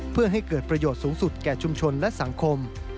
เพื่อให้เกิดประโยชน์สูงสุดแก่ชุมชนและสังคม